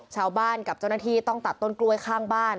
ชาวบ้านกับเจ้าหน้าที่ต้องตัดต้นกล้วยข้างบ้าน